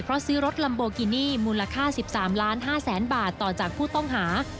เพราะซื้อรถลัมโบกินี่มูลค่า๑๓ล้าน๕แสนบาทต่อจากผู้ต้องหา